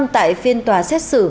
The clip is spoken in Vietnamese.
tại phiên tòa xét xử